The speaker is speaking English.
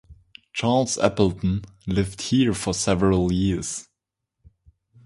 Charles Appleton lived here for several years.